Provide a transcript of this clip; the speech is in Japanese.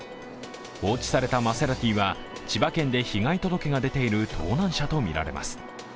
放置されたマセラティは千葉県で被害届が出ている盗難車とみられます。